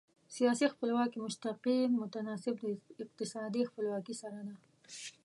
سیاسي خپلواکي مستقیم متناسب د اقتصادي خپلواکي سره ده.